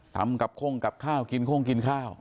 ทำกับโค้งกับข้าวกินโค้งกินข้าว